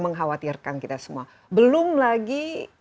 mengkhawatirkan kita semua belum lagi